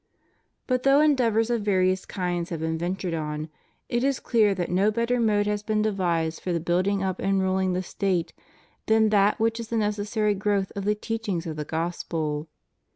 But though endeavors of various kinds have been ventured on, it is clear that no better mode has been devised for the building up and ruling the State than that which is the necessary growth of the teachings of the Gospel.